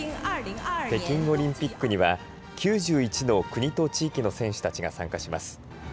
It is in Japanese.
北京オリンピックには９１の国と地域の選手たちが参加します。